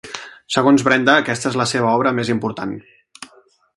Segons Brenda, aquesta és la seva obra més important.